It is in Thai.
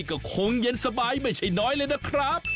ก็คงเย็นสบายไม่ใช่น้อยเลยนะครับ